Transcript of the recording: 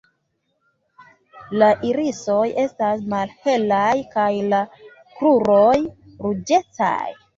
La irisoj estas malhelaj kaj la kruroj ruĝecaj.